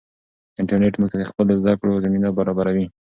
انټرنیټ موږ ته د خپلواکې زده کړې زمینه برابروي.